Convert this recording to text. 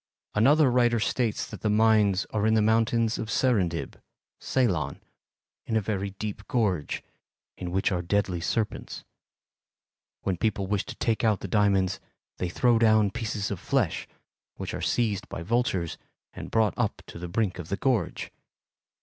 "Another writer states that the mines are in the mountains of Serendib (Ceylon) in a very deep gorge, in which are deadly serpents. When people wish to take out the diamonds they throw down pieces of flesh, which are seized by vultures and brought up to the brink of the gorge.